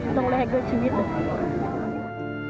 ต้องแรกด้วยชีวิต